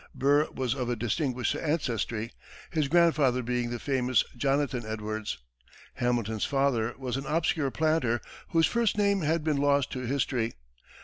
Burr was of a distinguished ancestry, his grandfather being the famous Jonathan Edwards; Hamilton's father was an obscure planter whose first name has been lost to history.